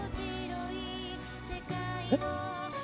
えっ。